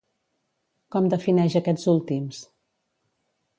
Com defineix aquests últims?